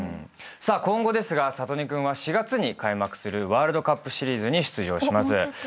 さあ今後ですが智音君は４月に開幕するワールドカップシリーズに出場します。